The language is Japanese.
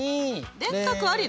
電卓ありなの？